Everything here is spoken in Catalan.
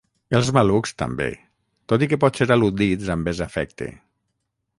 Els malucs, també, tot i que potser al·ludits amb més afecte.